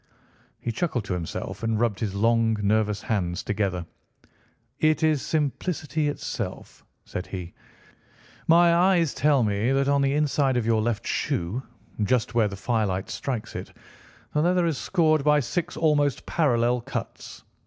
He chuckled to himself and rubbed his long, nervous hands together. "It is simplicity itself," said he; "my eyes tell me that on the inside of your left shoe, just where the firelight strikes it, the leather is scored by six almost parallel cuts.